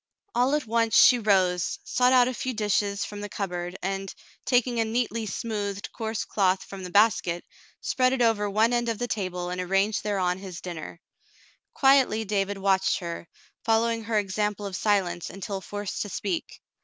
All at once she rose, sought out a few dishes from the cupboard, and, taking a neatly smoothed, coarse cloth from the basket, spread it over one end of the table and arranged thereon his dinner. Quietly David watched her, following her example of silence until forced to speak.